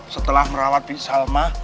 setelah merawat bisalma